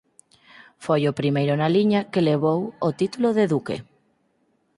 Foi o primeiro na liña que levou o título de duque.